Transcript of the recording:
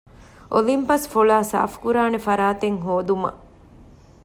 އޮލިމްޕަސް ފޮޅާ ސާފުކުރާނެ ފަރާތެއް ހޯދުމަށް